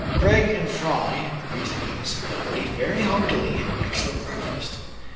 Craig and Fry, reasoning thus, ate very heartily an excellent breakfast.